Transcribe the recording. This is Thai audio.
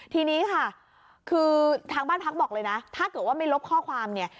ทีนี้ค่ะคือทางบ้านพักบอกเลยนะถ้าเกิดว่าไม่ลบข้อความเนี่ย